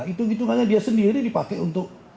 hitung hitungannya dia sendiri dipakai untuk